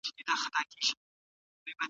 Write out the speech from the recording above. د غوايي په څېر مي غټي پښې لرلای